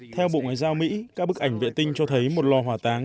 theo bộ ngoại giao mỹ các bức ảnh vệ tinh cho thấy một lò hỏa táng